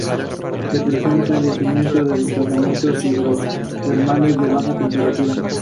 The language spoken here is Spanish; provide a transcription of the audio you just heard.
Kenneth y Bonnie comienzan un romance, para desesperación de Danny.